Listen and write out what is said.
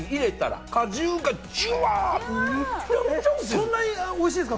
そんなおいしいですか？